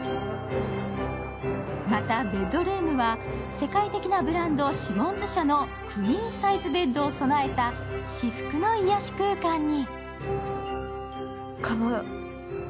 またベッドルームは世界的なブランドシモンズ社のクイーンサイズベッドを備えた至福の癒やし空間に。